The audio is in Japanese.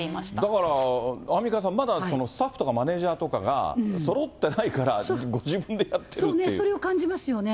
だから、アンミカさん、まだスタッフとかマネージャーとかがそろってないから、それを感じますよね。